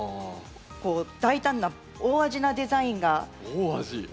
こう大胆な大味なデザインがいいですし